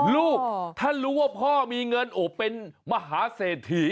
ลูกถ้ารู้ว่าพ่อมีเงินโอบเป็นมหาเศรษฐี